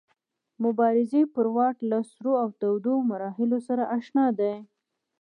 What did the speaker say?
مبارزې پر واټ له سړو او تودو مرحلو سره اشنا دی.